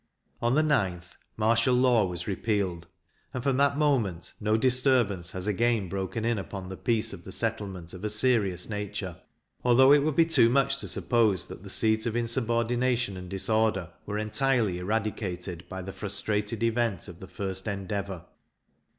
On the 9th, martial law was repealed; and from that moment no disturbance has again broken in upon the peace of the settlement of a serious nature, although it would be too much to suppose that the seeds of insubordination and disorder were entirely eradicated by the frustrated event of the first endeavour.